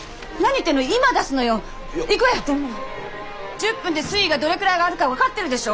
１０分で水位がどれぐらい上がるか分かってるでしょ？